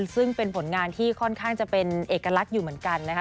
ซึ่งเป็นผลงานที่ค่อนข้างจะเป็นเอกลักษณ์อยู่เหมือนกันนะคะ